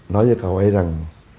nói với cậu ấy rằng